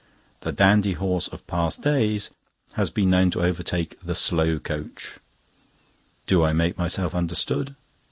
The dandy horse of past days has been known to overtake the slow coach. "Do I make myself understood?